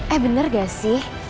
eh bener nggak sih